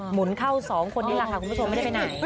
หมุนเข้า๒คนที่รักคุณผู้ชมไม่ได้ไปไหน